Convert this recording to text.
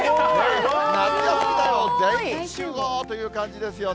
夏休みだよ、全員集合ということでね。